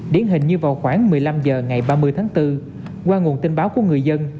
điển hình như vào khoảng một mươi năm h ngày ba mươi tháng bốn qua nguồn tin báo của người dân